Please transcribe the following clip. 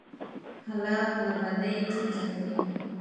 هلک له بدۍ کرکه لري.